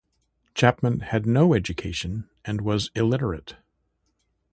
Chapman had no education and was illiterate.